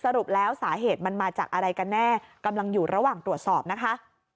สรุปแล้วสาเหตุมันมาจากอะไรกันแน่กำลังอยู่ระหว่างตรวจสอบนะคะ